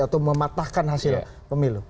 atau mematahkan hasil pemilu